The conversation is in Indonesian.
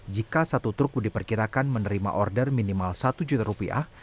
jika satu truk diperkirakan menerima order minimal satu juta rupiah